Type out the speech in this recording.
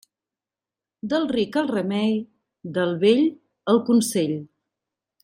Del ric el remei, del vell el consell.